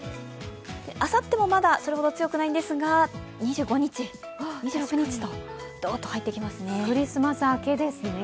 あさってもまだそれほど強くないんですが、２５日、２６日とクリスマス明けですね。